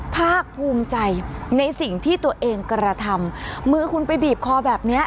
ภาคภูมิใจในสิ่งที่ตัวเองกระทำมือคุณไปบีบคอแบบนี้